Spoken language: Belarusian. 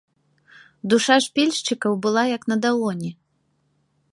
Душа ж пільшчыкаў была як на далоні.